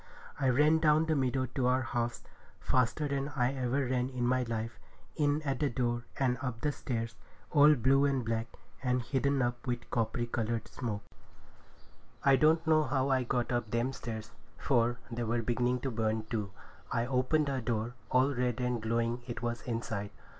I ran down the meadow to our house faster than I ever ran in my life, in at the door, and up the stairs, all blue and black, and hidden up with coppery coloured smoke. I don't know how I got up them stairs, for they were beginning to burn too. I opened her door—all red and glowing it was inside!